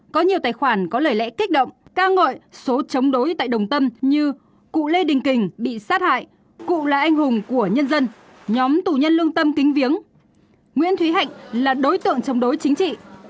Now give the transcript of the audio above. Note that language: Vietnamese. các ngội số chống đối tại đồng tâm như cụ lê đình kình bị sát hại cụ là anh hùng của nhân dân nhóm tù nhân lương tâm kính viếng nguyễn thúy hạnh là đối tượng chống đối chính trị